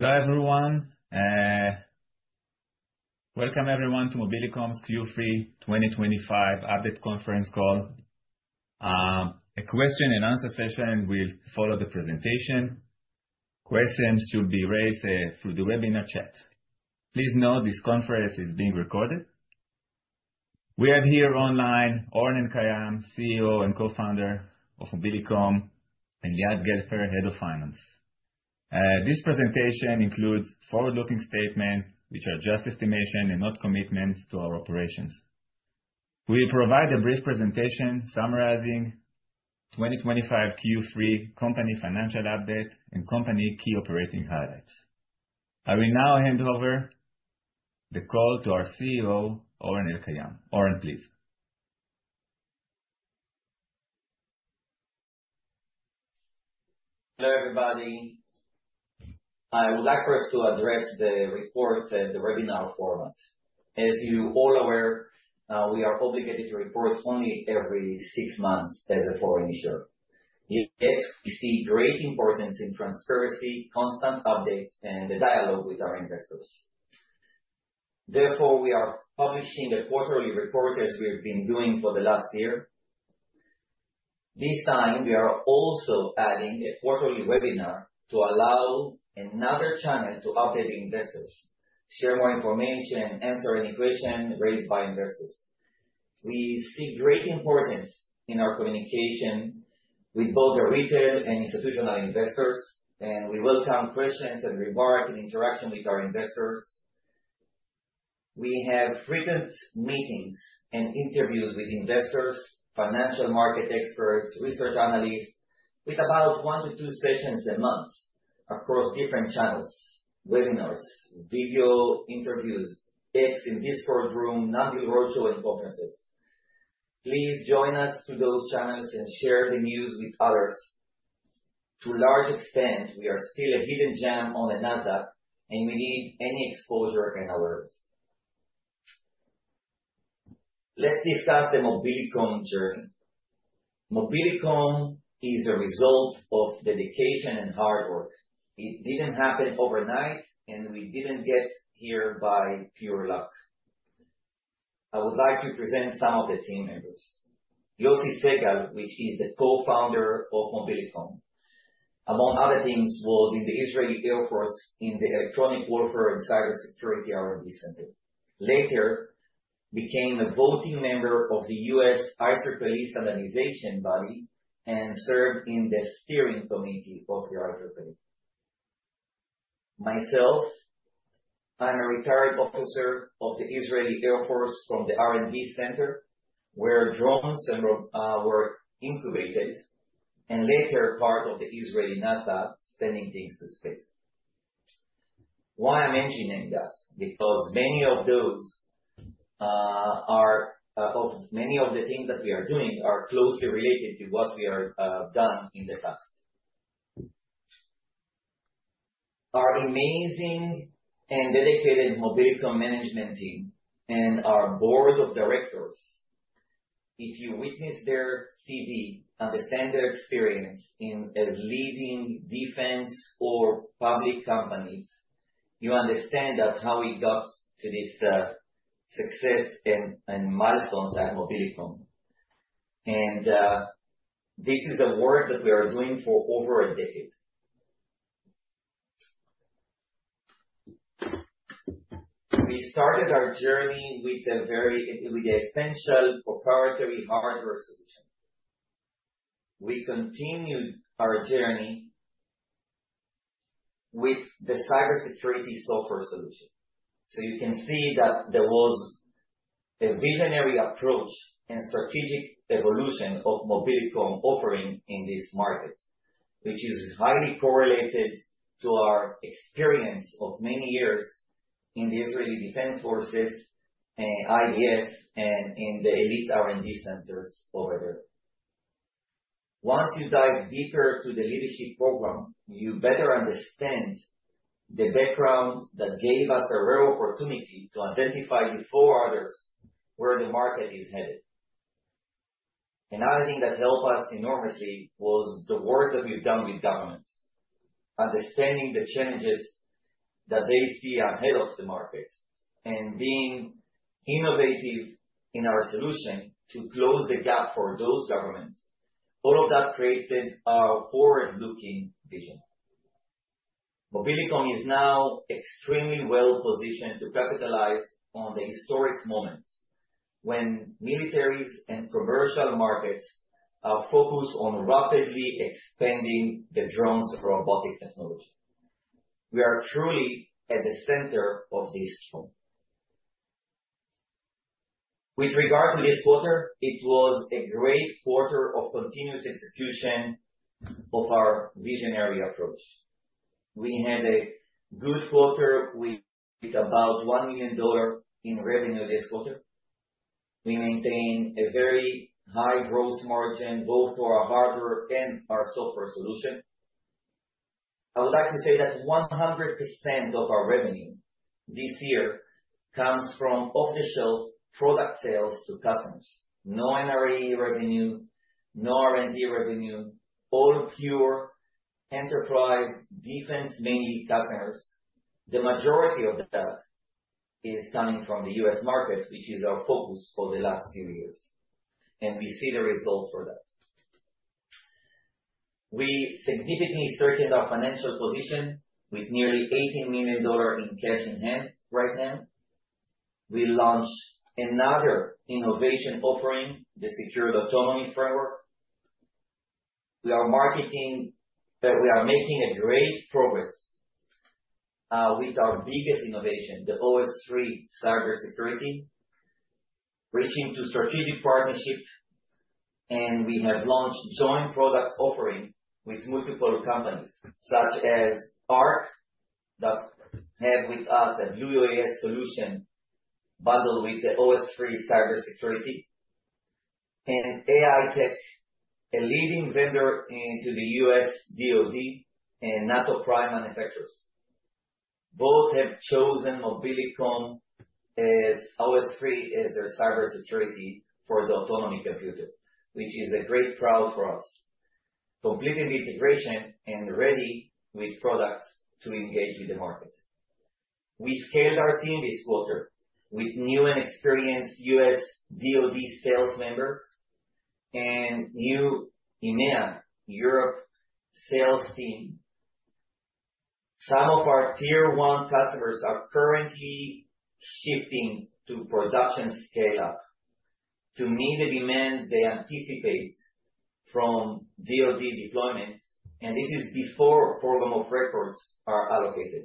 Hello, everyone. Welcome, everyone, to Mobilicom's Q3 2025 Update Conference Call. A question-and-answer session will follow the presentation. Questions should be raised through the webinar chat. Please note this conference is being recorded. We have here online, Oren Elkayam, CEO and Co-Founder of Mobilicom, and Liad Gelfer, Head of Finance. This presentation includes forward-looking statements, which are just estimation and not commitments to our operations. We'll provide a brief presentation summarizing 2025 Q3 company financial updates and company key operating highlights. I will now hand over the call to our CEO, Oren Elkayam. Oren, please. Hello, everybody. I would like for us to address the report and the webinar format. As you all are aware, we are obligated to report only every six months as a foreign issuer. Yet, we see great importance in transparency, constant updates, and the dialogue with our investors. Therefore, we are publishing a quarterly report as we've been doing for the last year. This time, we are also adding a quarterly webinar to allow another channel to update investors, share more information, answer any question raised by investors. We see great importance in our communication with both the retail and institutional investors, and we welcome questions and remarks and interaction with our investors. We have frequent meetings and interviews with investors, financial market experts, research analysts, with about one to two sessions a month across different channels, webinars, video interviews, X and Discord room, non-deal roadshow, and conferences. Please join us to those channels and share the news with others. To a large extent, we are still a hidden gem on the Nasdaq, and we need any exposure and alerts. Let's discuss the Mobilicom journey. Mobilicom is a result of dedication and hard work. It didn't happen overnight, and we didn't get here by pure luck. I would like to present some of the team members. Yossi Segal, which is the Co-Founder of Mobilicom, among other things, was in the Israeli Air Force in the Electronic Warfare and Cybersecurity R&D Center. Later, became a voting member of the U.S. IEEE standardization body and served in the steering committee of the IEEE. Myself, I'm a retired officer of the Israeli Air Force from the R&D Center, where drones were incubated and later part of the Israel Space Agency, sending things to space. Why I'm mentioning that? Because many of the things that we are doing are closely related to what we have done in the past. Our amazing and dedicated Mobilicom management team and our Board of Directors. If you witness their CVs, you understand their experience in leading defense and public companies, you understand how it got to this success and milestones at Mobilicom. This is the work that we are doing for over a decade. We started our journey with the essential proprietary hardware solution. We continued our journey with the cybersecurity software solution. You can see that there was a visionary approach and strategic evolution of Mobilicom offering in this market, which is highly correlated to our experience of many years in the Israeli Defense Forces, IDF, and in the elite R&D centers over there. Once you dive deeper to the leadership program, you better understand the background that gave us a rare opportunity to identify before others where the market is headed. Another thing that helped us enormously was the work that we've done with governments, understanding the challenges that they see ahead of the market, and being innovative in our solution to close the gap for those governments. All of that created our forward-looking vision. Mobilicom is now extremely well-positioned to capitalize on the historic moments when militaries and commercial markets are focused on rapidly expanding the drone and robotic technology. We are truly at the center of this storm. With regard to this quarter, it was a great quarter of continuous execution of our visionary approach. We had a good quarter with about $1 million in revenue this quarter. We maintain a very high gross margin, both for our hardware and our software solution. I would like to say that 100% of our revenue this year comes from official product sales to customers. No NRE revenue, no R&D revenue, all pure enterprise defense main customers. The majority of that is coming from the U.S. market, which is our focus for the last few years, and we see the results for that. We significantly strengthened our financial position with nearly $18 million in cash in hand right now. We launched another innovation offering, the Secured Autonomy Framework. We are making great progress with our biggest innovation, the OS3 cybersecurity, reaching strategic partnership, and we have launched joint products offering with multiple companies such as ARK that have with us a Blue UAS solution bundled with the OS3 cybersecurity. Aitech, a leading vendor into the U.S. DoD and NATO prime manufacturers, both have chosen Mobilicom's OS3 as their cybersecurity for the autonomy computer, which is a great pride for us. Completing the integration and ready with products to engage with the market. We scaled our team this quarter with new and experienced U.S. DoD sales members and new EMEA, Europe sales team. Some of our Tier 1 customers are currently shifting to production scale-up to meet the demand they anticipate from DoD deployments, and this is before programs of record are allocated.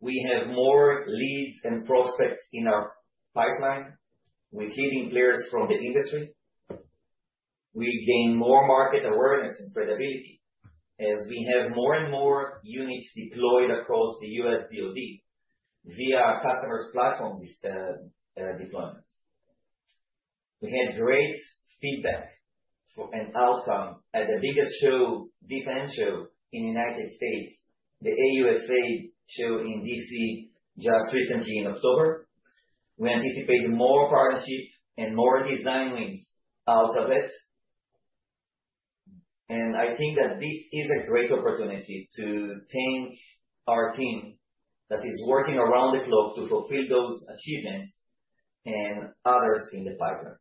We have more leads and prospects in our pipeline with leading players from the industry. We gain more market awareness and credibility as we have more and more units deployed across the U.S. DoD via our customer's platform, deployments. We had great feedback for an outcome at the biggest show, defense show in United States, the AUSA show in D.C. just recently in October. We anticipate more partnerships and more design wins out of it. I think that this is a great opportunity to thank our team that is working around the globe to fulfill those achievements and others in the pipeline.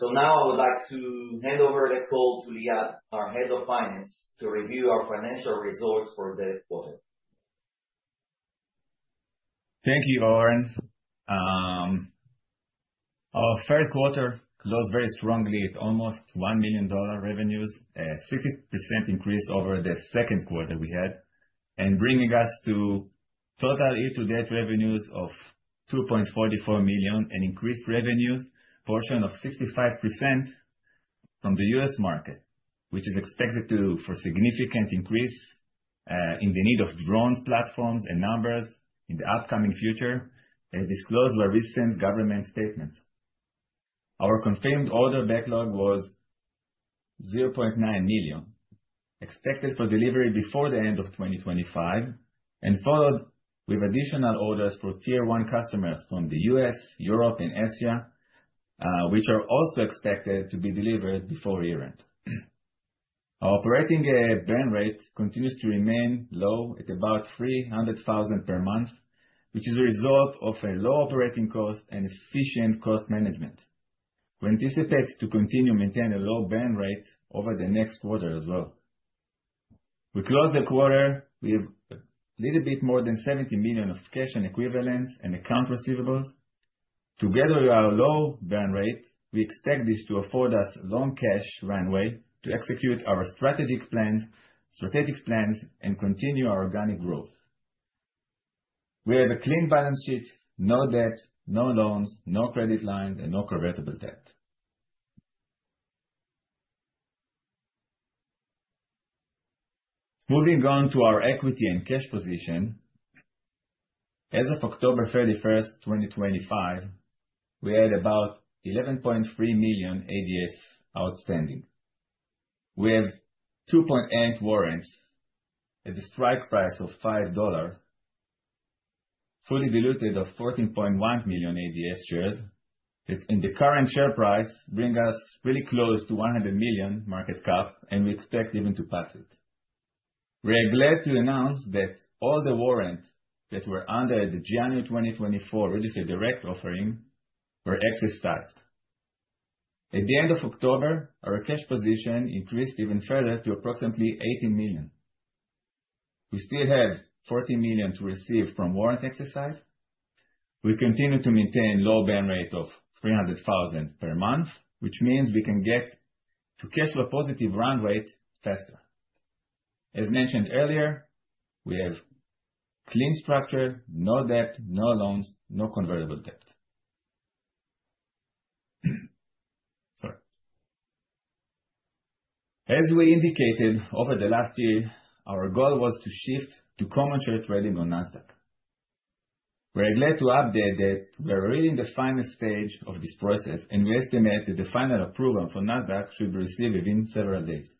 Now I would like to hand over the call to Liad, our Head of Finance, to review our financial results for the quarter. Thank you, Oren. Our third quarter closed very strongly at almost $1 million revenues, a 60% increase over the second quarter we had, and bringing us to total year-to-date revenues of $2.44 million, an increased revenues portion of 65% from the U.S. market, which is expected to fuel significant increase in the need for drone platforms and numbers in the upcoming future, as disclosed by recent government statements. Our confirmed order backlog was $0.9 million, expected for delivery before the end of 2025, and followed with additional orders for Tier 1 customers from the U.S., Europe and Asia, which are also expected to be delivered before year-end. Our operating burn rate continues to remain low at about $300,000 per month, which is a result of a low operating cost and efficient cost management. We anticipate to continue maintain a low burn rate over the next quarter as well. We closed the quarter with a little bit more than $70 million of cash and equivalents and accounts receivable. Together with our low burn rate, we expect this to afford us long cash runway to execute our strategic plans and continue our organic growth. We have a clean balance sheet, no debt, no loans, no credit lines, and no convertible debt. Moving on to our equity and cash position. As of October 31st, 2025, we had about 11.3 million ADS outstanding. We have 2.8 warrants at the strike price of $5, fully diluted of 14.1 million ADS shares that in the current share price bring us really close to $100 million market cap, and we expect even to pass it. We are glad to announce that all the warrants that were under the January 2024 registered direct offering were exercised. At the end of October, our cash position increased even further to approximately $18 million. We still have $14 million to receive from warrant exercise. We continue to maintain low burn rate of $300,000 per month, which means we can get to cash flow positive run rate faster. As mentioned earlier, we have clean structure, no debt, no loans, no convertible debt. Sorry. As we indicated over the last year, our goal was to shift to common share trading on Nasdaq. We are glad to update that we are really in the final stage of this process, and we estimate that the final approval for Nasdaq should be received within several days.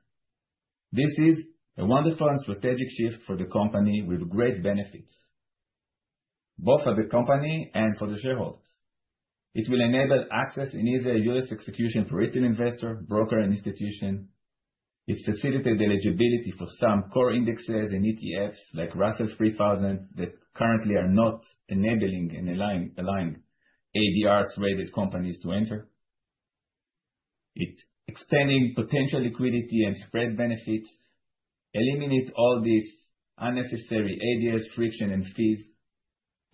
This is a wonderful and strategic shift for the company with great benefits, both for the company and for the shareholders. It will enable access and easier U.S. execution for retail investor, broker, and institution. It facilitates the eligibility for some core indexes and ETFs like Russell 3000 that currently are not enabling and align ADR traded companies to enter. It's expanding potential liquidity and spread benefits, eliminates all these unnecessary ADS friction and fees,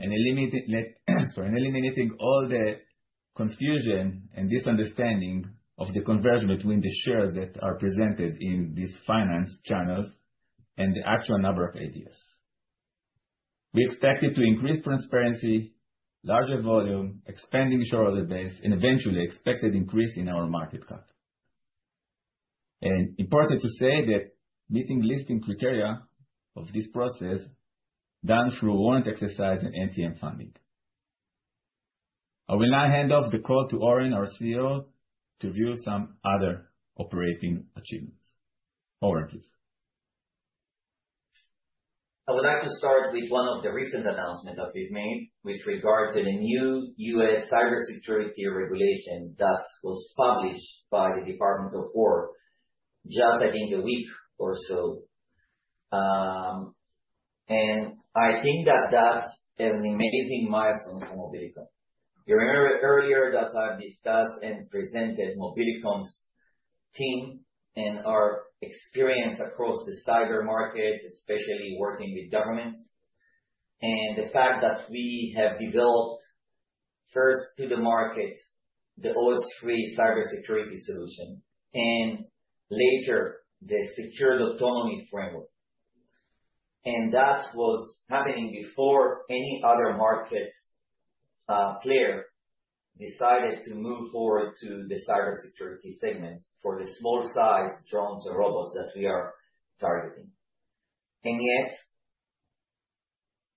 and eliminating all the confusion and misunderstanding of the conversion between the shares that are presented in these finance channels and the actual number of ADS. We expect it to increase transparency, larger volume, expanding shareholder base, and eventually expected increase in our market cap. Important to say that meeting listing criteria of this process done through warrant exercise and ATM funding. I will now hand off the call to Oren, our CEO, to view some other operating achievements. Oren, please. I would like to start with one of the recent announcement that we've made with regard to the new U.S. cybersecurity regulation that was published by the Department of War just within the week or so. I think that's an amazing milestone for Mobilicom. You remember earlier that I discussed and presented Mobilicom's team and our experience across the cyber market, especially working with governments, and the fact that we have developed first to the market, the OS3 cybersecurity solution, and later the Secured Autonomy Framework. That was happening before any other market player decided to move forward to the cybersecurity segment for the small size drones or robots that we are targeting. Yet,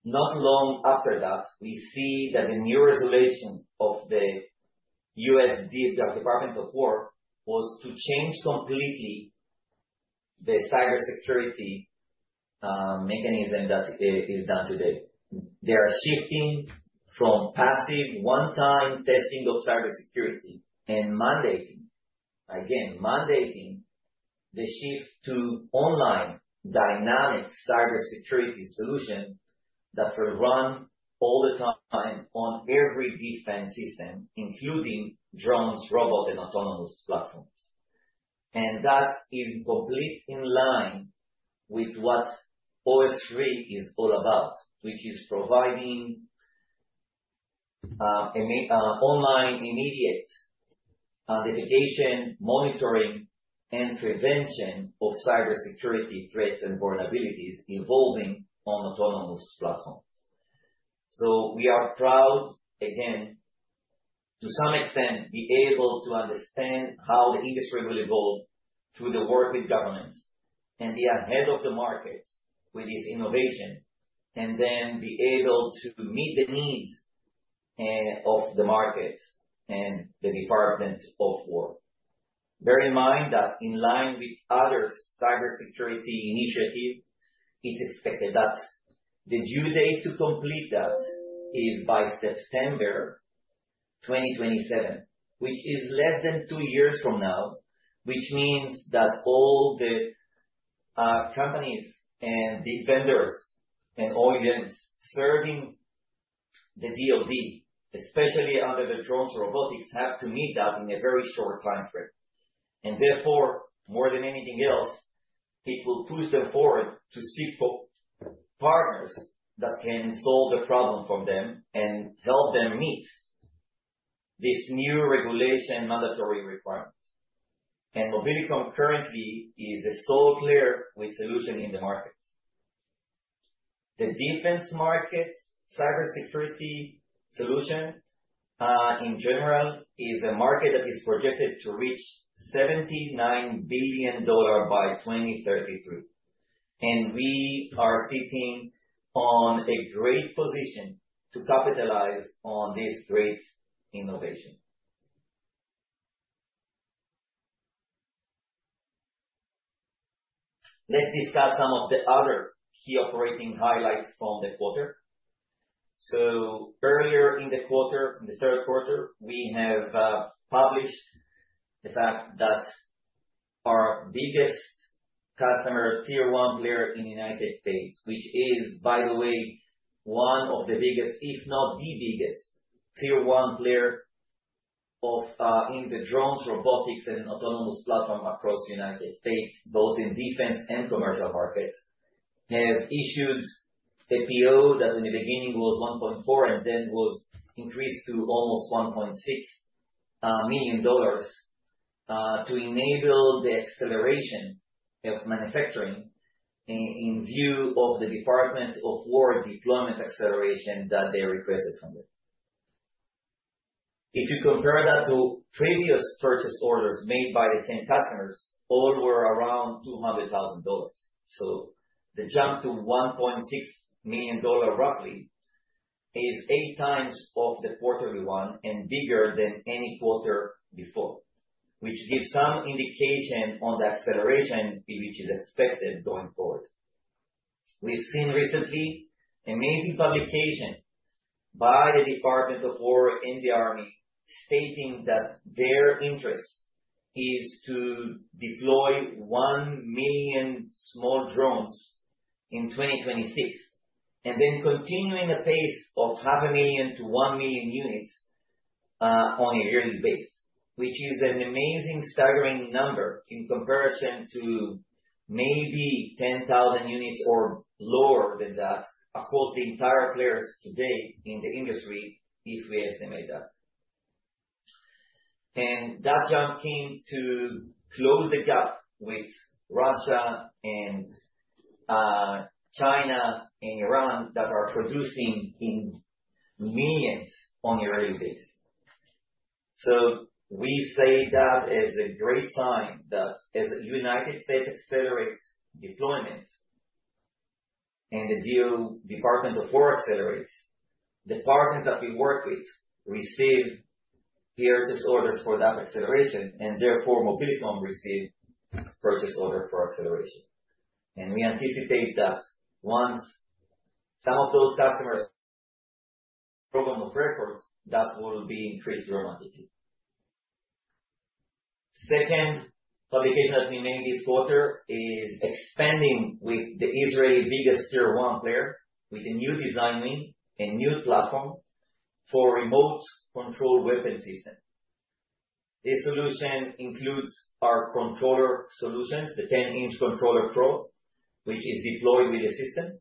not long after that, we see that the new regulation of the U.S. Department of War was to change completely the cybersecurity mechanism that is done today. They are shifting from passive one-time testing of cybersecurity and mandating, again, the shift to online dynamic cybersecurity solution that will run all the time on every defense system, including drones, robots, and autonomous platforms. That is completely in line with what OS3 is all about, which is providing online immediate identification, monitoring, and prevention of cybersecurity threats and vulnerabilities involving autonomous platforms. We are proud, again, to some extent, to be able to understand how the industry will evolve through the work with governments and be ahead of the market with this innovation and then be able to meet the needs of the market and the Department of War. Bear in mind that in line with other cybersecurity initiatives, it's expected that the due date to complete that is by September 2027, which is less than two years from now, which means that all the companies and the vendors and OEMs serving the DoD, especially under the drones robotics, have to meet that in a very short time frame. Therefore, more than anything else, it will push them forward to seek for partners that can solve the problem for them and help them meet this new regulation mandatory requirement. Mobilicom currently is the sole player with solution in the market. The defense market cybersecurity solution, in general, is a market that is projected to reach $79 billion by 2033, and we are sitting on a great position to capitalize on this great innovation. Let's discuss some of the other key operating highlights from the quarter. Earlier in the quarter, in the third quarter, we have published the fact that our biggest customer, Tier 1 player in the United States, which is, by the way, one of the biggest, if not the biggest Tier 1 player in the drones, robotics, and autonomous platform across the United States, both in defense and commercial markets, have issued a PO that in the beginning was $1.4 million and then was increased to almost $1.6 million, to enable the acceleration of manufacturing in view of the Department of War deployment acceleration that they requested. If you compare that to previous purchase orders made by the same customers, all were around $200,000. The jump to $1.6 million roughly is 8x of the quarterly one, and bigger than any quarter before, which gives some indication on the acceleration, which is expected going forward. We've seen recently amazing publication by the Department of War and the Army stating that their interest is to deploy 1 million small drones in 2026, and then continue in a pace of 500,000 million to 1 million units on a yearly basis, which is an amazing, staggering number in comparison to maybe 10,000 units or lower than that across the entire players today in the industry, if we estimate that. That jump came to close the gap with Russia and China and Iran that are producing in millions on a yearly basis. We say that is a great sign that as the United States accelerates deployment and the Department of War accelerates, the partners that we work with receive purchase orders for that acceleration and therefore Mobilicom receives purchase order for acceleration. We anticipate that once some of those customers programs of record, that will be increased dramatically. Second partnership that we made this quarter is expanding with the Israel's biggest Tier 1 player with a new design win and new platform for remote control weapon system. This solution includes our controller solutions, the 10-inch Controller Pro, which is deployed with the system.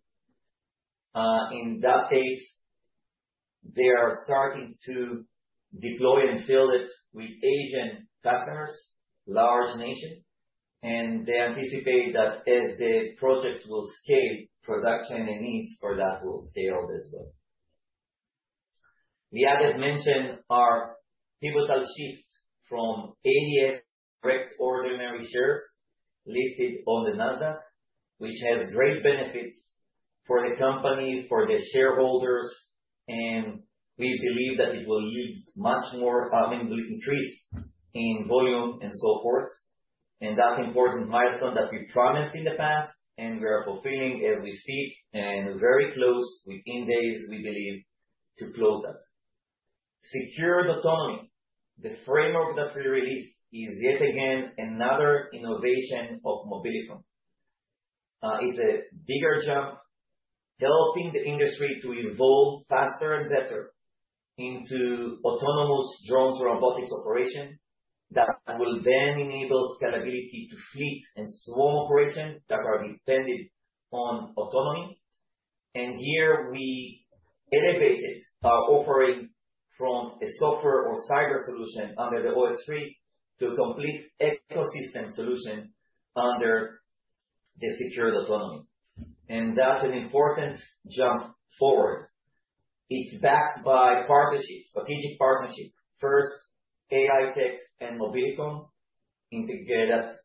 In that case, they are starting to deploy and sell it to Asian customers, large nation, and they anticipate that as the project will scale, production and needs for that will scale as well. We want to mention our pivotal shift from ADS to ordinary shares listed on the Nasdaq, which has great benefits for the company, for the shareholders, and we believe that it will see much more, I mean, will increase in volume and so forth. That's important milestone that we promised in the past, and we are fulfilling as we speak, and very close within days, we believe, to close that. Secured Autonomy. The framework that we released is yet again another innovation of Mobilicom. It's a bigger jump, helping the industry to evolve faster and better into autonomous drones, robotics operation that will then enable scalability to fleet and swarm operation that are dependent on autonomy. Here we elevated our offering from a software or cyber solution under the OS3 to a complete ecosystem solution under the Secured Autonomy. That's an important jump forward. It's backed by partnership, strategic partnership. First, Aitech and Mobilicom integrated.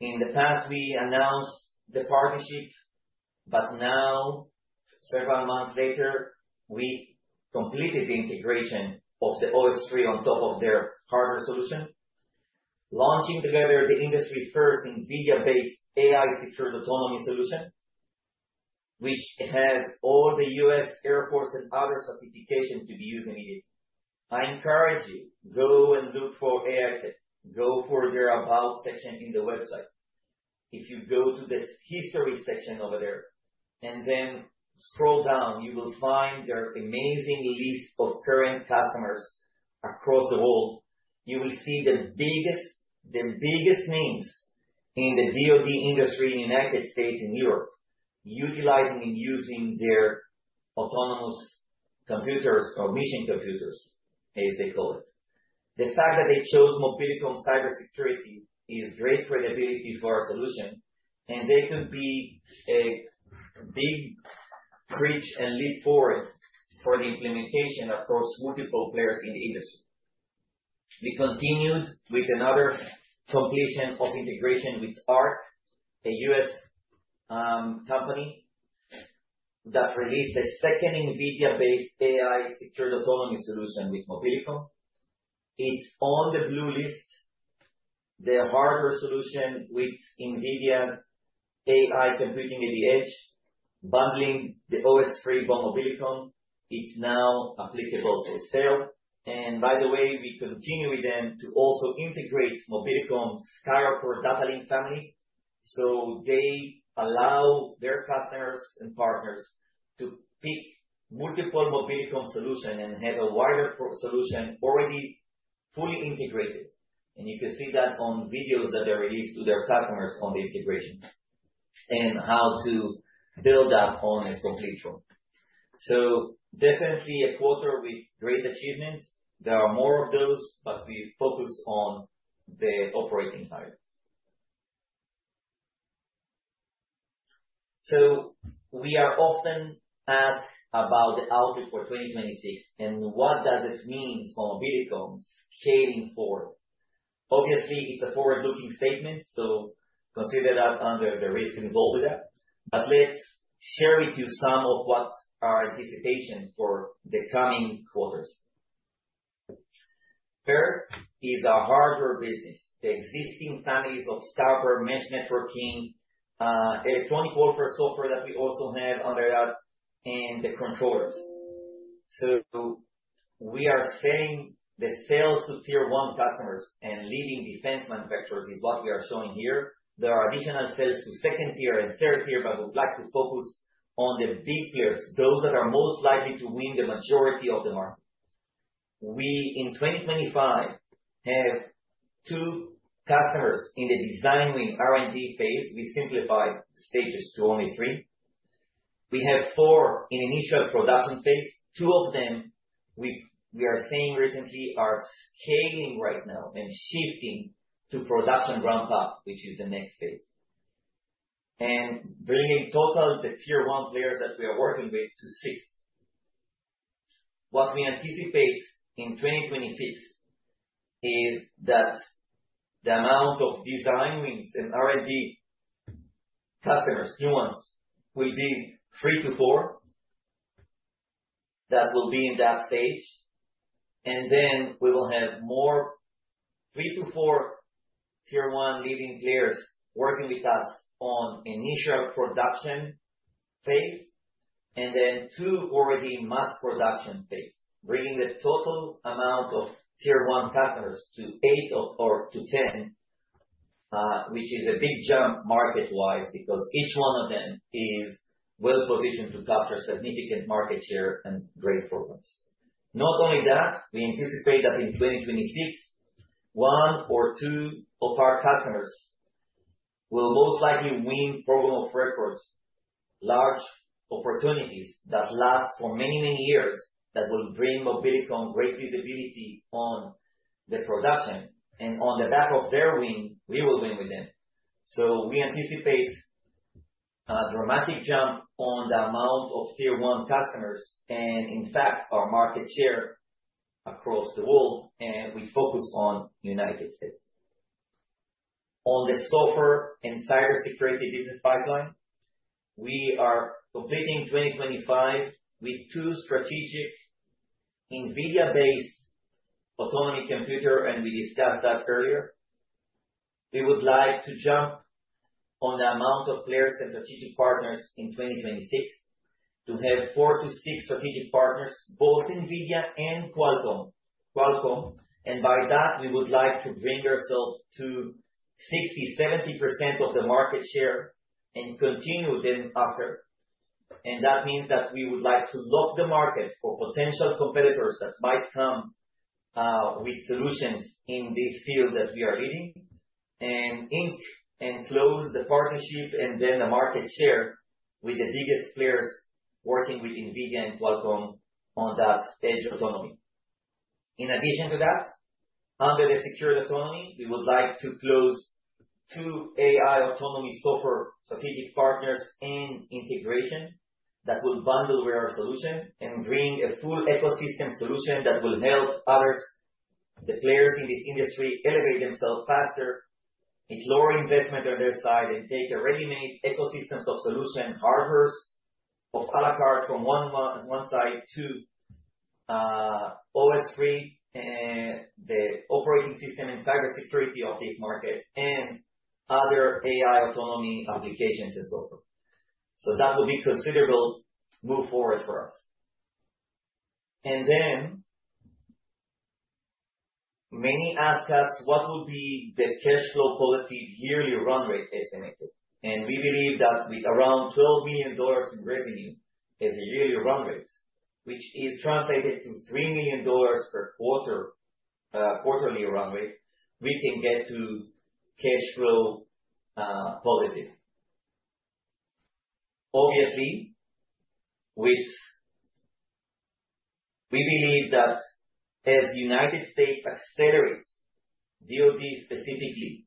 In the past, we announced the partnership, but now several months later, we completed the integration of the OS3 on top of their hardware solution, launching together the industry-first NVIDIA-based AI Secured Autonomy solution, which has all the U.S. Air Force and other certifications to be used immediately. I encourage you, go and look for Aitech. Go for their About section on the website. If you go to the History section over there and then scroll down, you will find their amazing list of current customers across the world. You will see the biggest names in the DoD industry in United States and Europe utilizing and using their autonomous computers or mission computers, as they call it. The fact that they chose Mobilicom cybersecurity is great credibility for our solution, and they could be a big bridge and leap forward for the implementation across multiple players in the industry. We continued with another completion of integration with ARK, a U.S. company that released the second NVIDIA-based AI secured autonomy solution with Mobilicom. It's on the Blue list, their hardware solution with NVIDIA AI computing at the edge, bundling the OS3 by Mobilicom. It's now available for sale. By the way, we continue with them to also integrate Mobilicom SkyHopper data link family. They allow their customers and partners to pick multiple Mobilicom solution and have a wider solution already fully integrated. You can see that on videos that are released to their customers on the integration and how to build that on a complete drone. Definitely a quarter with great achievements. There are more of those, but we focus on the operating targets. We are often asked about the outlook for 2026, and what does it mean for Mobilicom scaling forward? Obviously, it's a forward-looking statement, so consider that under the risks involved with that. But let's share with you some of what's our anticipation for the coming quarters. First is our hardware business, the existing families of cyber mesh networking, Electronic Warfare software that we also have under that, and the controllers. We are saying that sales to Tier 1 customers and leading defense manufacturers is what we are showing here. There are additional sales to second tier and third tier, but we would like to focus on the big tiers, those that are most likely to win the majority of the market. We, in 2025, have two customers in the design win R&D phase. We simplified stages to only three. We have four in initial production phase. Two of them, we are seeing recently, are scaling right now and shifting to production ramp-up, which is the next phase. Bringing total, the Tier 1 players that we are working with to six. What we anticipate in 2026 is that the amount of design wins and R&D customers, new ones, will be three to four. That will be in that stage. Then we will have more, three to four Tier 1 leading players working with us on initial production phase, and then two already in mass production phase. Bringing the total amount of Tier 1 customers to eight or to 10, which is a big jump market-wise because each one of them is well-positioned to capture significant market share and great progress. Not only that, we anticipate that in 2026, one or two of our customers will most likely win programs of record, large opportunities that last for many, many years that will bring Mobilicom great visibility on the production and on the back of their win, we will win with them. We anticipate a dramatic jump on the amount of Tier 1 customers and in fact our market share across the world, and we focus on United States. On the software and cybersecurity business pipeline, we are completing 2025 with two strategic NVIDIA-based autonomy computer, and we discussed that earlier. We would like to jump on the amount of players and strategic partners in 2026 to have four to six strategic partners, both NVIDIA and Qualcomm. By that, we would like to bring ourselves to 60%, 70% of the market share and continue then after. That means that we would like to lock the market for potential competitors that might come, with solutions in this field that we are leading and ink and close the partnership and then the market share with the biggest players working with NVIDIA and Qualcomm on that Secured Autonomy. In addition to that, under the Secured Autonomy, we would like to close two AI autonomy software strategic partners and integration that will bundle with our solution and bring a full ecosystem solution that will help others. The players in this industry elevate themselves faster, with lower investment on their side, and take a ready-made ecosystems of solution hardwares of a la carte from one side to OS3, the operating system and cybersecurity of this market and other AI autonomy applications and so forth. That will be considerable move forward for us. Many ask us what will be the cash flow quality yearly run rate estimated? We believe that with around $12 million in revenue as a yearly run rate, which is translated to $3 million per quarter, quarterly run rate, we can get to cash flow positive. Obviously, we believe that as the United States accelerates DoD specifically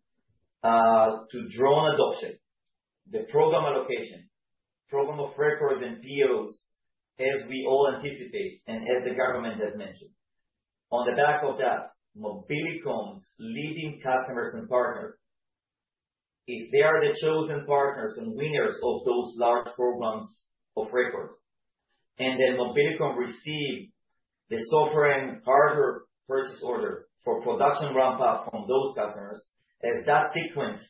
to drone adoption, the program allocation, Programs of Record and POs as we all anticipate, and as the government has mentioned. On the back of that, Mobilicom's leading customers and partners, if they are the chosen partners and winners of those large Programs of Record, and then Mobilicom receive the software and hardware purchase order for production ramp-up from those customers. If that sequence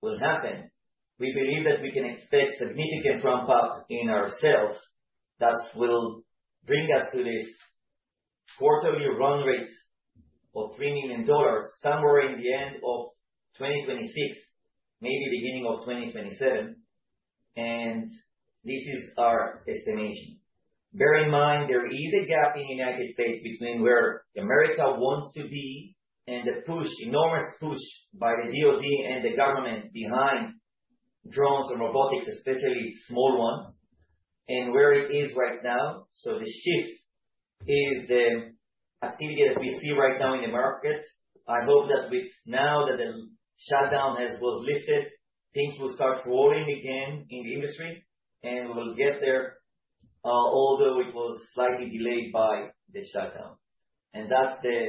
will happen, we believe that we can expect significant ramp-up in our sales that will bring us to this quarterly run rate of $3 million somewhere in the end of 2026, maybe beginning of 2027. This is our estimation. Bear in mind, there is a gap in United States between where America wants to be and the push, enormous push by the DoD and the government behind drones and robotics, especially small ones. And where it is right now. The shift is the activity that we see right now in the market. I hope that now that the shutdown was lifted, things will start rolling again in the industry, and we will get there, although it was slightly delayed by the shutdown. That's the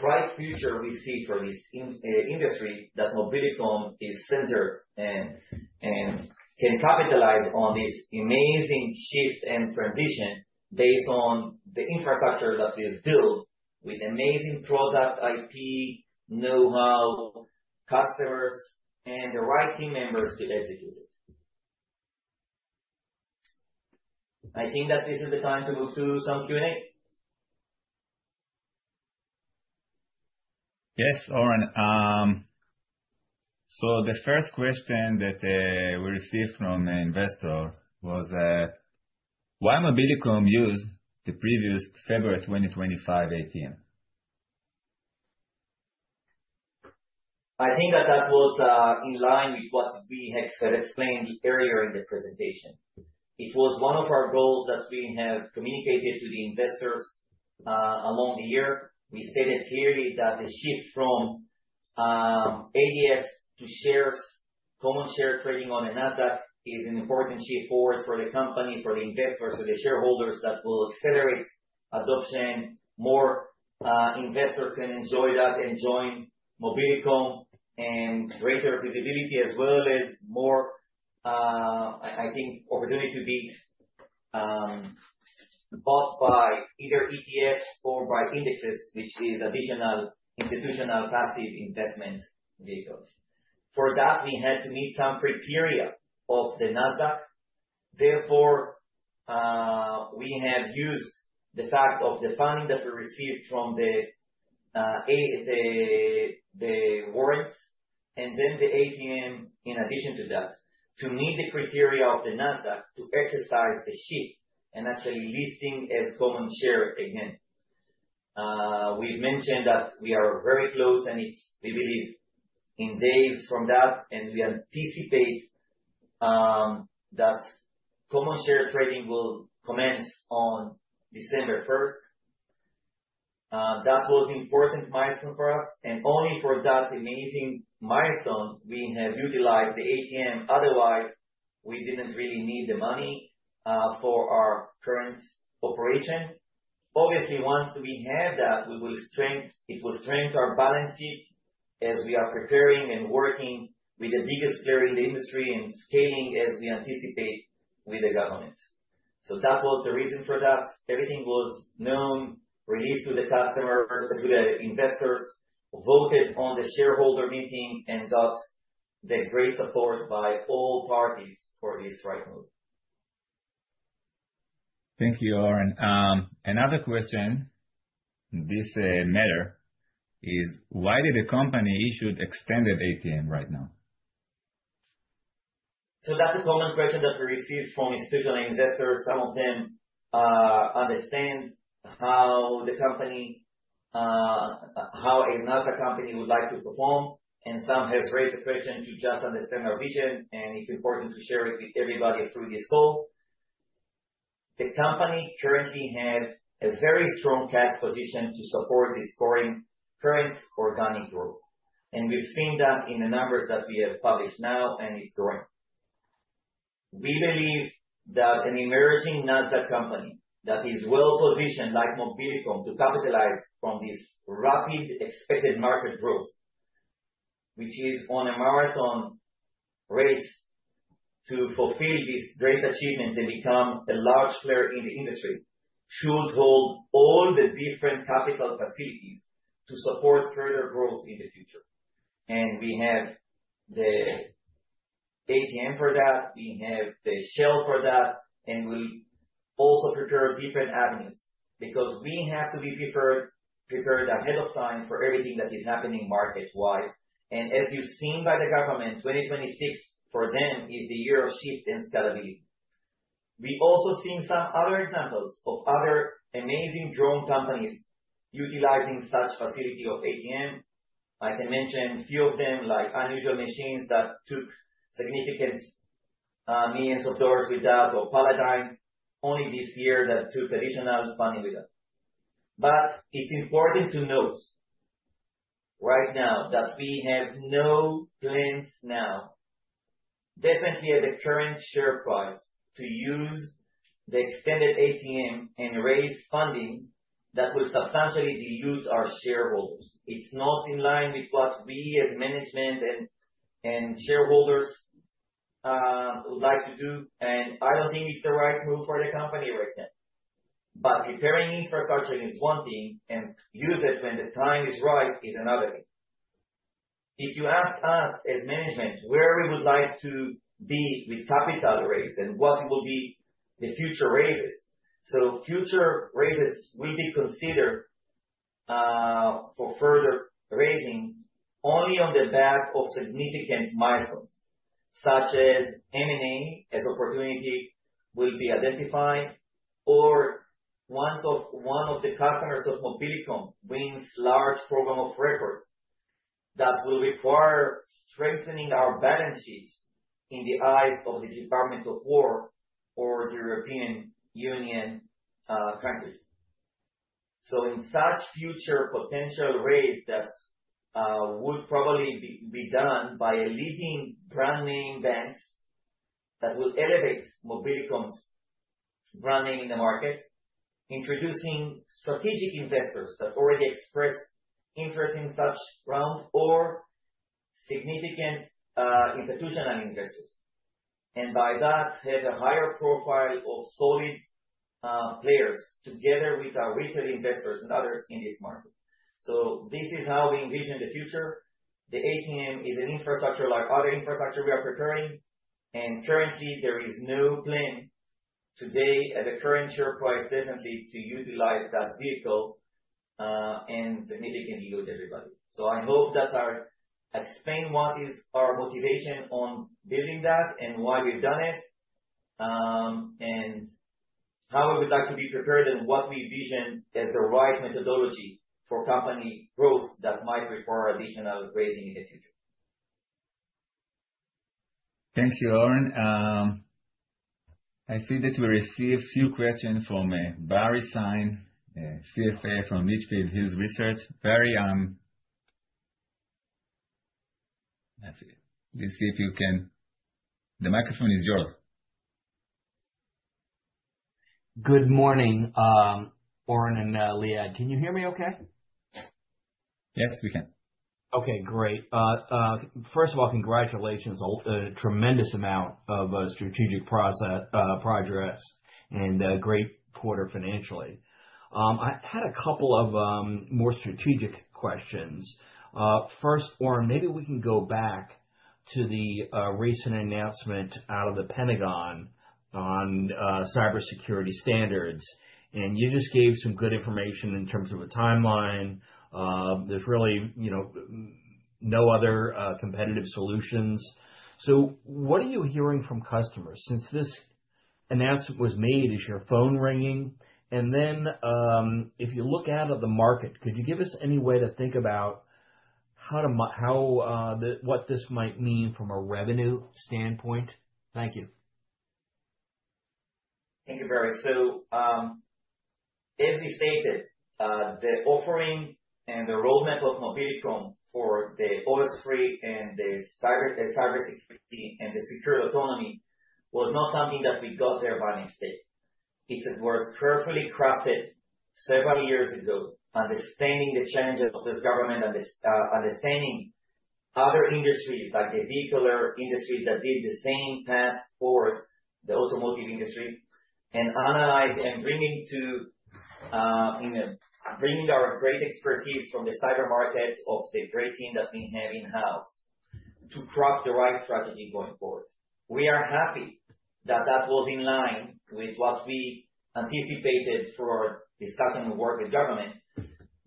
bright future we see for this industry, that Mobilicom is centered and can capitalize on this amazing shift and transition based on the infrastructure that we have built with amazing product IP, know-how, customers, and the right team members to execute it. I think that this is the time to move to some Q&A. Yes, Oren. The first question that we received from an investor was, why Mobilicom used the previous February 2025 ATM? I think that was in line with what we had explained earlier in the presentation. It was one of our goals that we have communicated to the investors along the year. We stated clearly that the shift from ADS to common share trading on the Nasdaq is an important shift forward for the company, for the investors or the shareholders that will accelerate adoption. More investors can enjoy that and join Mobilicom, and greater predictability as well as more, I think, opportunity to be bought by either ETFs or by indexes, which is additional institutional passive investment vehicles. For that, we had to meet some criteria of the Nasdaq. Therefore, we have used the fact of the funding that we received from the warrants, and then the ATM in addition to that, to meet the criteria of the Nasdaq to exercise the shift and actually listing as common share again. We've mentioned that we are very close, and it's, we believe, in days from that, and we anticipate that common share trading will commence on December 1st. That was important milestone for us, and only for that amazing milestone we have utilized the ATM, otherwise we didn't really need the money for our current operation. Obviously, once we have that, it will strengthen our balance sheet as we are preparing and working with the biggest player in the industry and scaling as we anticipate with the government. That was the reason for that. Everything was known, released to the investors, voted on the shareholder meeting, and got the great support by all parties for this right move. Thank you, Oren. Another question in this matter is why did the company issue extended ATM right now? That's a common question that we received from institutional investors. Some of them understand how a Nasdaq company would like to perform, and some have raised the question to just understand our vision, and it's important to share it with everybody through this call. The company currently have a very strong cash position to support its current organic growth. We've seen that in the numbers that we have published now, and it's growing. We believe that an emerging Nasdaq company that is well-positioned, like Mobilicom, to capitalize from this rapid expected market growth, which is on a marathon race to fulfill this great achievement and become a large player in the industry, should hold all the different capital facilities to support further growth in the future. We have the ATM for that, we have the shell for that, and we also prepare different avenues, because we have to be prepared ahead of time for everything that is happening market-wise. As you've seen by the government, 2026 for them is the year of shift, and it's got to be. We also seen some other examples of other amazing drone companies utilizing such facility of ATM. I can mention a few of them, like Unusual Machines, that took significant millions of dollars with that, or Paradigm only this year that took additional funding with that. It's important to note right now that we have no plans now, definitely at the current share price, to use the extended ATM and raise funding that will substantially dilute our shareholders. It's not in line with what we as management and shareholders would like to do, and I don't think it's the right move for the company right now. Preparing infrastructure is one thing, and use it when the time is right is another thing. If you ask us as management where we would like to be with capital raise and what will be the future raises. Future raises will be considered, for further raising only on the back of significant milestones, such as M&A as opportunity will be identified, or one of the customers of Mobilicom wins large Program of Record. That will require strengthening our balance sheets in the eyes of the Department of War or the European Union, countries. In such future potential raise that would probably be done by a leading brand name banks that will elevate Mobilicom's brand name in the market, introducing strategic investors that already expressed interest in such round or significant institutional investors. By that, have a higher profile of solid players together with our retail investors and others in this market. This is how we envision the future. The ATM is an infrastructure like other infrastructure we are preparing, and currently there is no plan today at the current share price, definitely to utilize that vehicle and dilute everybody. I hope that I explained what is our motivation on building that and why we've done it, and how we would like to be prepared and what we envision as the right methodology for company growth that might require additional raising in the future. Thank you, Oren. I see that we received a few questions from Barry Sine, CFA from Litchfield Hills Research. Barry, let's see if you can. The microphone is yours. Good morning, Oren and Liad. Can you hear me okay? Yes, we can. Okay, great. First of all, congratulations on a tremendous amount of strategic progress and a great quarter financially. I had a couple of more strategic questions. First, Oren, maybe we can go back to the recent announcement out of the Pentagon on cybersecurity standards, and you just gave some good information in terms of a timeline. There's really no other competitive solutions. What are you hearing from customers? Since this announcement was made, is your phone ringing? If you look out at the market, could you give us any way to think about what this might mean from a revenue standpoint? Thank you. Thank you, Barry. As we stated, the offering and the enrollment of Mobilicom for the OS3 and the cybersecurity and the Secured Autonomy was not something that we got there by mistake. It was carefully crafted several years ago, understanding the challenges of this government, understanding other industries, like the vehicular industry, that did the same path for the automotive industry, and analyzing and bringing our great expertise from the cyber markets of the great team that we have in-house to craft the right strategy going forward. We are happy that was in line with what we anticipated through our discussions with government,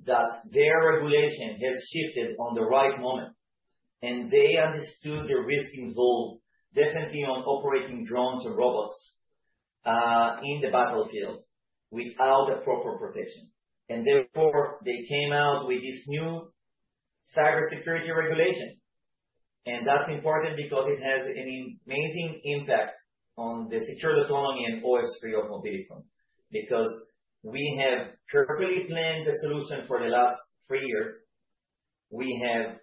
that their regulation has shifted at the right moment, and they understood the risk involved, definitely on operating drones or robots in the battlefields without the proper protection. Therefore, they came out with this new cybersecurity regulation. That's important because it has an amazing impact on the Secured Autonomy and OS3 of Mobilicom, because we have carefully planned the solution for the last three years. We have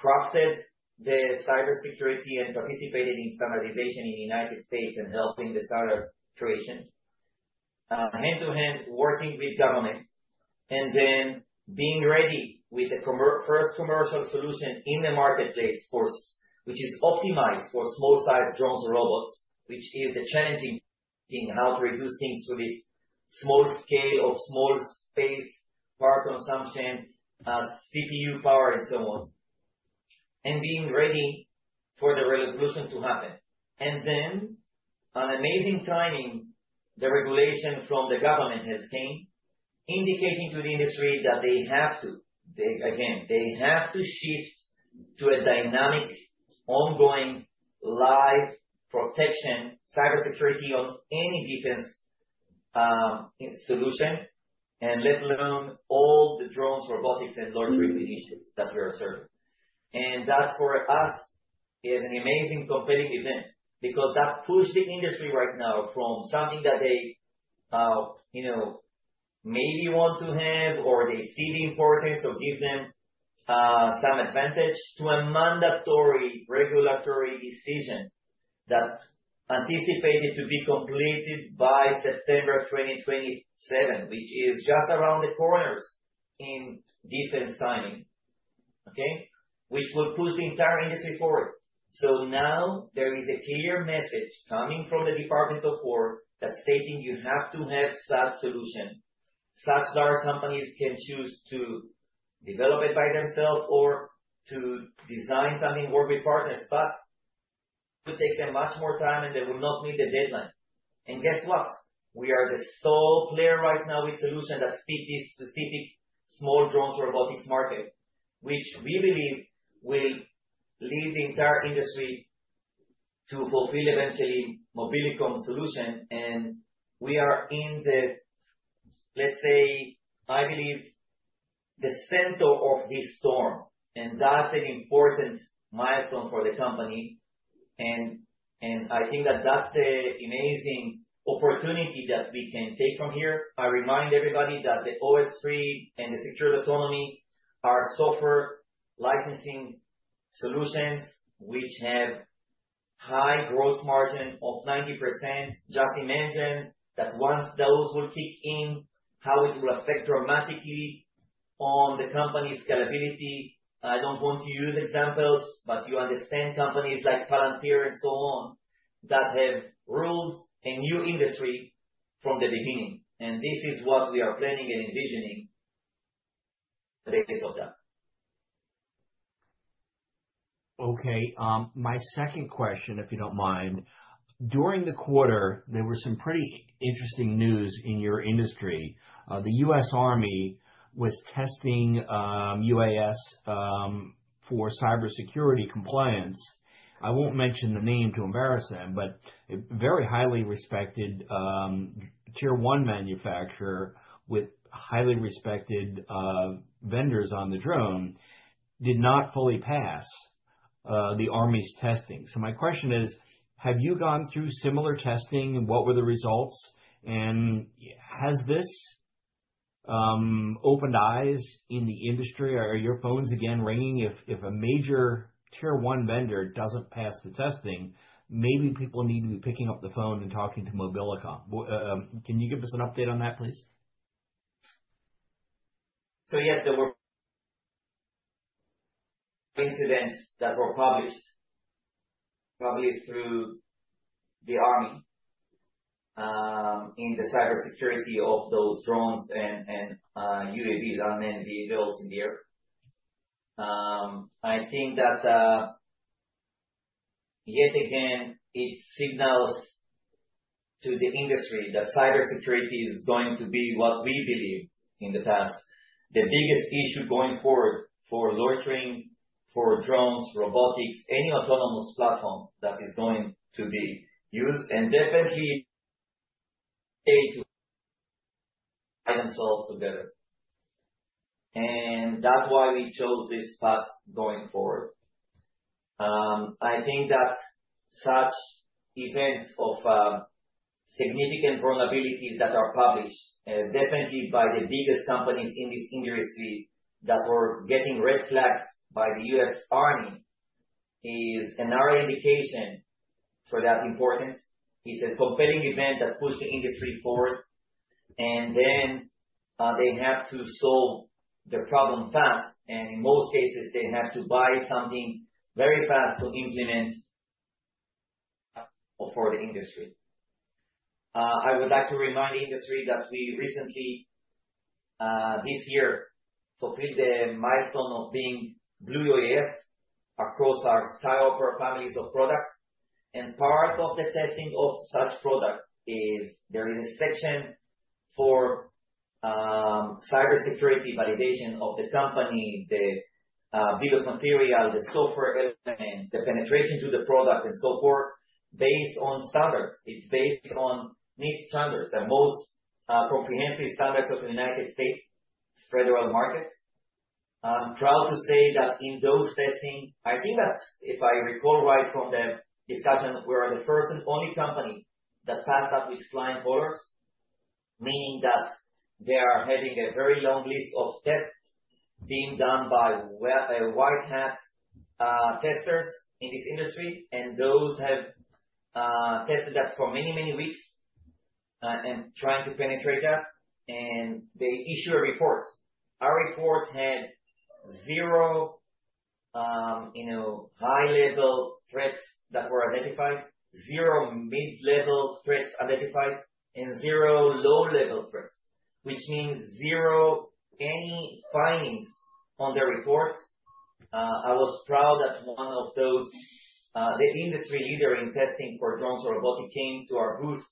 crafted the cybersecurity and participated in standardization in the United States and helping the startup creation. Hand to hand, working with governments, and then being ready with the first commercial solution in the marketplace, which is optimized for small-sized drones or robots, which is the challenging thing. How to reduce things to this small scale of small space, power consumption, CPU power, and so on, and being ready for the regulation to happen. An amazing timing, the regulation from the government has came, indicating to the industry that they have to shift to a dynamic, ongoing, live protection, cybersecurity on any defense solution, and let alone all the drones, robotics and large vehicles that we are serving. That, for us, is an amazing competing event because that pushed the industry right now from something that they maybe want to have, or they see the importance or give them some advantage to a mandatory regulatory decision that anticipated to be completed by September 2027, which is just around the corners in defense timing. Okay. Which will push the entire industry forward. Now there is a clear message coming from the Department of Defense that's stating you have to have such solution. Such large companies can choose to develop it by themselves or to design something, work with partners, but it will take them much more time, and they will not meet the deadline. Guess what? We are the sole player right now with solution that fit this specific small drones robotics market, which we believe will lead the entire industry. To fulfill eventually Mobilicom solution, and we are in the, let's say, I believe, the center of this storm, and that's an important milestone for the company. I think that that's the amazing opportunity that we can take from here. I remind everybody that the OS3 and the Secured Autonomy are software licensing solutions which have high gross margin of 90%. Just imagine that once those will kick in, how it will affect dramatically on the company's scalability. I don't want to use examples, but you understand companies like Palantir and so on, that have ruled a new industry from the beginning. This is what we are planning and envisioning the rest of that. Okay. My second question, if you don't mind. During the quarter, there were some pretty interesting news in your industry. The U.S. Army was testing UAS for cybersecurity compliance. I won't mention the name to embarrass them, but a very highly respected Tier 1 manufacturer with highly respected vendors on the drone did not fully pass the Army's testing. My question is, have you gone through similar testing and what were the results? Has this opened eyes in the industry? Are your phones again ringing? If a major Tier 1 vendor doesn't pass the testing, maybe people need to be picking up the phone and talking to Mobilicom. Can you give us an update on that, please? Yes, there were incidents that were published, probably through the Army, in the cybersecurity of those drones and UAVs, unmanned vehicles in the air. I think that, yet again, it signals to the industry that cybersecurity is going to be what we believed in the past, the biggest issue going forward for loitering, for drones, robotics, any autonomous platform that is going to be used, and definitely a threat to themselves together. That's why we chose this path going forward. I think that such events of significant vulnerabilities that are published, definitely by the biggest companies in this industry that were getting red flags by the U.S. Army, is another indication for that importance. It's a compelling event that puts the industry forward and then they have to solve the problem fast, and in most cases, they have to buy something very fast to implement for the industry. I would like to remind the industry that we recently, this year, completed a milestone of being Blue UAS across our SkyHopper families of products. Part of the testing of such products is there is a section for cybersecurity validation of the company, the bill of material, the software elements, the penetration to the product, and so forth, based on standards. It's based on NIST standards, the most comprehensive standards of the United States federal market. I'm proud to say that in those testing, I think that if I recall right from the discussion, we are the first and only company that passed that with flying colors, meaning that they are having a very long list of tests being done by white hat testers in this industry. Those have tested that for many, many weeks, and trying to penetrate that. They issue a report. Our report had zero high-level threats that were identified, zero mid-level threats identified, and zero low-level threats, which means zero any findings on the report. I was proud that one of those, the industry leader in testing for drones or robotics, came to our booth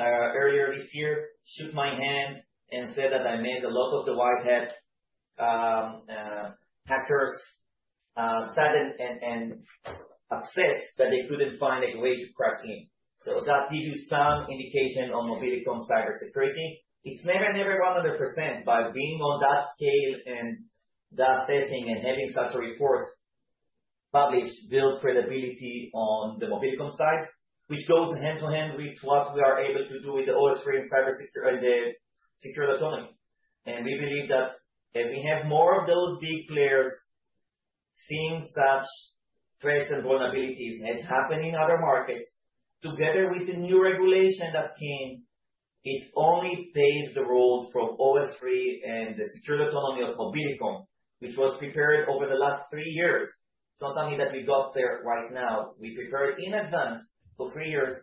earlier this year, shook my hand and said that I made a lot of the white hat hackers saddened and upset that they couldn't find a way to crack in. That gives you some indication on Mobilicom cybersecurity. It's never 100%, but being on that scale and that testing and having such a report published builds credibility on the Mobilicom side, which goes hand-in-hand with what we are able to do with the OS3 and Secured Autonomy. We believe that if we have more of those big players seeing such threats and vulnerabilities, and it happened in other markets, together with the new regulation that came, it only paves the road for OS3 and the Secured Autonomy of Mobilicom, which was prepared over the last three years. It's not something that we got there right now. We prepared in advance for three years,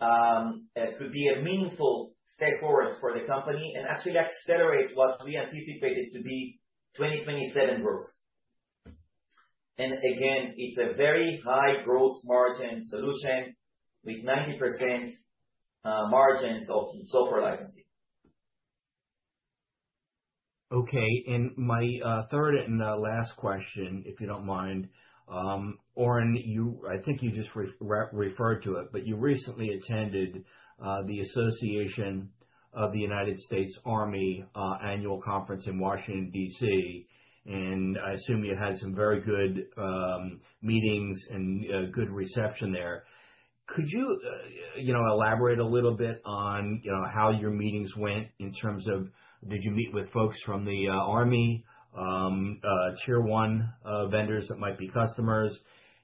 to be a meaningful step forward for the company and actually accelerate what we anticipated to be 2027 growth. Again, it's a very high gross margin solution with 90% margins of software licensing. Okay. My third and last question, if you don't mind. Oren, I think you just referred to it, but you recently attended the Association of the United States Army annual conference in Washington, D.C., and I assume you had some very good meetings and good reception there. Could you elaborate a little bit on how your meetings went in terms of, did you meet with folks from the Army, Tier 1 vendors that might be customers?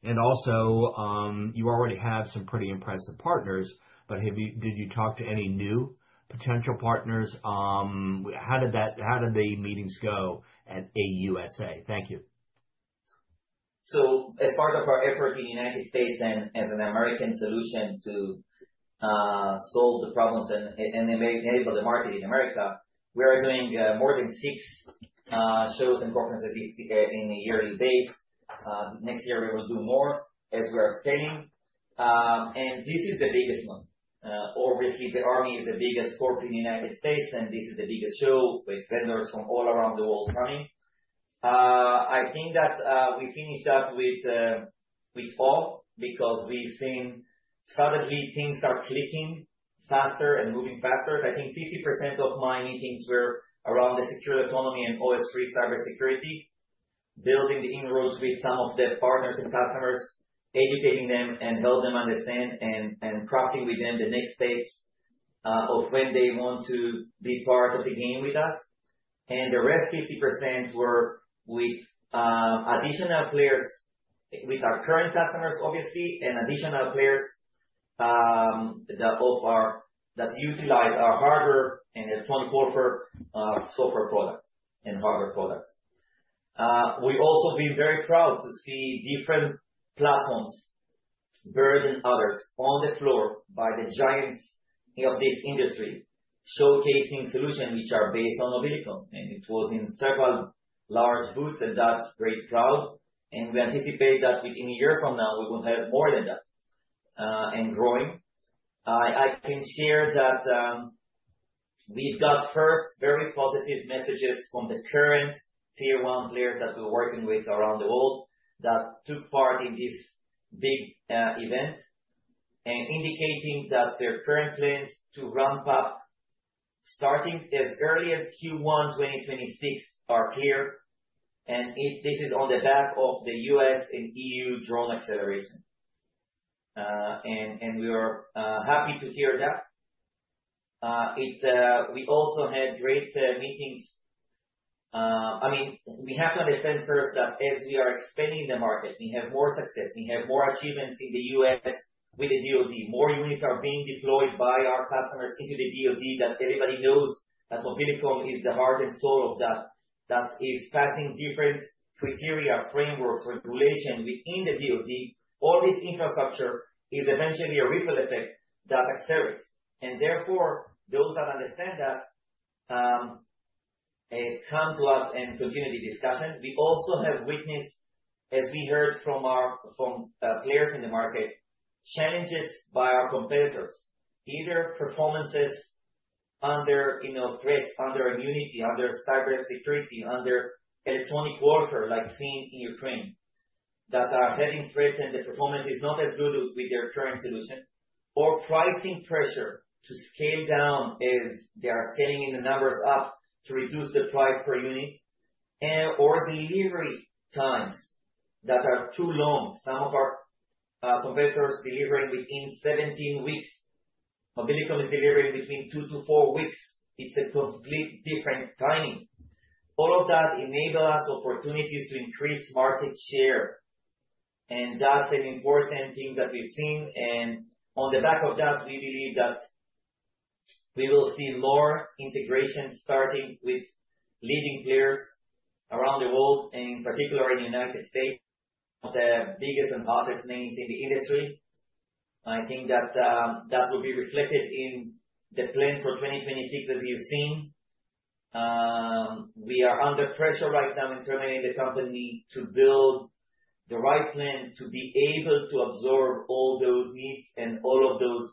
And also, you already have some pretty impressive partners, but did you talk to any new potential partners? How did the meetings go at AUSA? Thank you. As part of our effort in the United States and as an American solution to solve the problems and enable the market in America, we are doing more than six shows and conferences on a yearly basis. Next year, we will do more as we are scaling. This is the biggest one. Obviously, the Army is the biggest corps in the United States, and this is the biggest show with vendors from all around the world coming. I think that we finished up hopeful because we've seen suddenly things are clicking faster and moving faster. I think 50% of my meetings were around the secure autonomy and OS3 cybersecurity, building inroads with some of the partners and customers, educating them, and helping them understand and crafting with them the next steps of when they want to be part of the game with us. The rest 50% were with additional players, with our current customers, obviously, and additional players that utilize our hardware and electronic warfare software products and hardware products. We've also been very proud to see different platforms, Veriden and others, on the floor by the giants of this industry, showcasing solutions which are based on Mobilicom. It was in several large booths, and that's great crowd. We anticipate that within a year from now, we will have more than that, and growing. I can share that we've got first, very positive messages from the current Tier 1 players that we're working with around the world that took part in this big event, and indicating that their current plans to ramp up starting as early as Q1 2026 are clear. This is on the back of the U.S. and EU drone acceleration. We are happy to hear that. We also had great meetings. We have to understand first that as we are expanding the market, we have more success, we have more achievements in the U.S. with the DoD. More units are being deployed by our customers into the DoD that everybody knows that Mobilicom is the heart and soul of that is passing different criteria, frameworks, regulation within the DoD. All this infrastructure is eventually a ripple effect that accelerates. Therefore, those that understand that, come to us and continue the discussion. We also have witnessed, as we heard from players in the market, challenges by our competitors. Either performances under threats, under immunity, under cybersecurity, under Electronic Warfare like seen in Ukraine, that are having threat and the performance is not as good with their current solution, or pricing pressure to scale down as they are scaling the numbers up to reduce the price per unit, or delivery times that are too long. Some of our competitors are delivering within 17 weeks. Mobilicom is delivering between two to four weeks. It's a completely different timing. All of that enable us opportunities to increase market share, and that's an important thing that we've seen. On the back of that, we believe that we will see more integration starting with leading players around the world, and particularly in the United States, the biggest and hottest names in the industry. I think that will be reflected in the plan for 2026 as you've seen. We are under pressure right now internally in the company to build the right plan to be able to absorb all those needs and all of those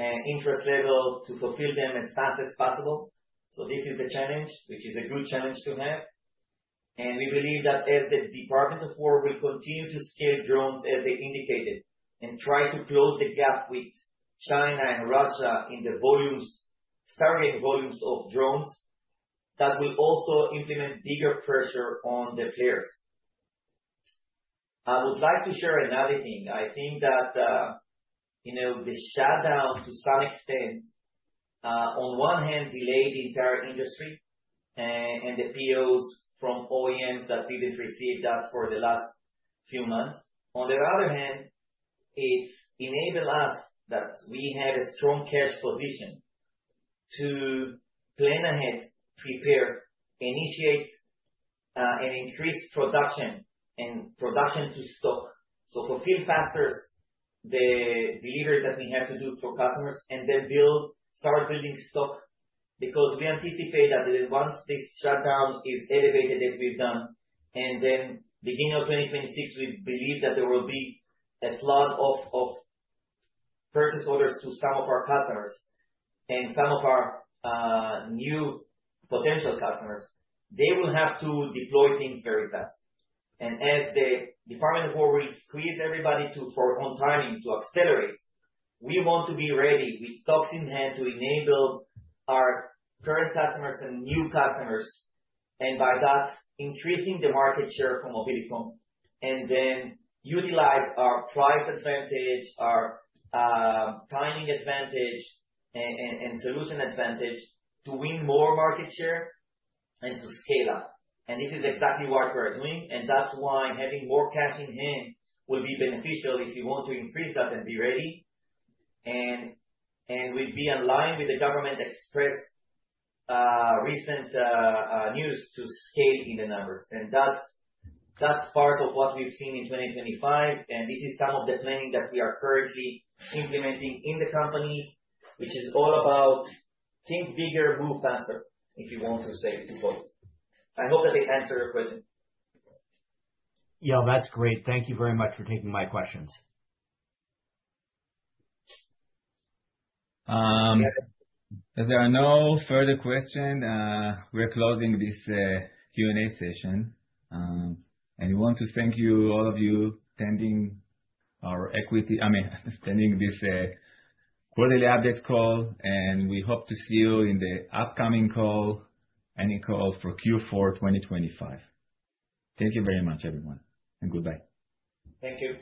interest levels to fulfill them as fast as possible. This is the challenge, which is a good challenge to have. We believe that as the Department of War will continue to scale drones as they indicated, and try to close the gap with China and Russia in the staggering volumes of drones, that will also implement bigger pressure on the players. I would like to share another thing. I think that, the shutdown, to some extent, on one hand delayed the entire industry and the POs from OEMs that we did receive that for the last few months. On the other hand, it enabled us that we had a strong cash position to plan ahead, prepare, initiate, and increase production to stock. To fulfill the orders, the deliveries that we have to do for customers, and then start building stock, because we anticipate that once this shutdown is lifted as we've done, and then beginning of 2026, we believe that there will be a flood of purchase orders from some of our customers and some of our new potential customers. They will have to deploy things very fast. As the Department of Defense will squeeze everybody to, for their own timing, to accelerate, we want to be ready with stock in hand to enable our current customers and new customers. By that, increasing the market share for Mobilicom, and then utilize our price advantage, our timing advantage, and solution advantage to win more market share and to scale up. This is exactly what we're doing, and that's why having more cash in hand will be beneficial if you want to increase that and be ready. We'll be in line with the government expressed recent news to scale in the numbers. That's part of what we've seen in 2025, and this is some of the planning that we are currently implementing in the company, which is all about think bigger, move faster, if you want to say it in quote. I hope that I answered your question. Yeah, that's great. Thank you very much for taking my questions. If there are no further question, we're closing this Q&A session. We want to thank you, all of you, attending this quarterly update call, and we hope to see you in the upcoming call, any call for Q4 2025. Thank you very much, everyone, and goodbye. Thank you.